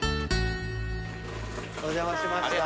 お邪魔しました。